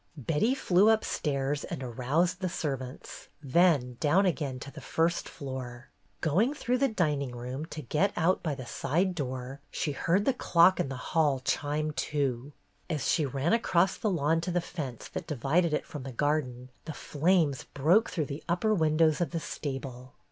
'' Betty flew upstairs and aroused the ser vants, then down again to the first floor. Go ing through the dining room, to get out by the side door, she heard the clock in the hall chime two. As she ran across the lawn to the fence that divided it from the garden, the flames broke through the upper windows of the stable.